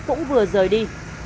cũng vừa rời đi